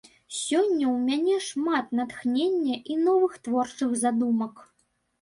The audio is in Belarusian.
Сёння ў мяне шмат натхнення і новых творчых задумак.